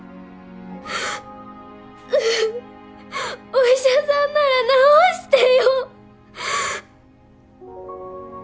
お医者さんなら治してよ。